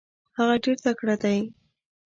هغه ډیر تکړه دی.